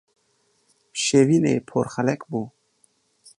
Şevînê porxelek bû.